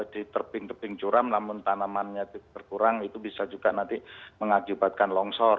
di terping terping curam namun tanamannya terkurang itu bisa juga nanti mengakibatkan longsor